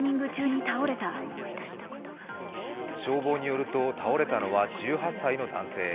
消防によると倒れたのは１８歳の男性。